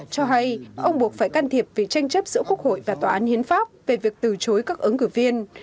cho hay ông buộc phải can thiệp vì tranh chấp giữa quốc hội và tòa án hiến pháp về việc từ chối các ứng cử viên